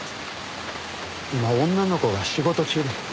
今女の子が仕事中で。